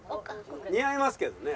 似合いますけどね。